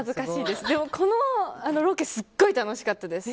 でもこのロケすごい楽しかったです。